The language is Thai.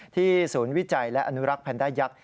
ศูนย์วิจัยและอนุรักษ์แพนด้ายักษ์